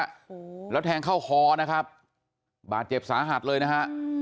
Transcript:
โอ้โหแล้วแทงเข้าคอนะครับบาดเจ็บสาหัสเลยนะฮะ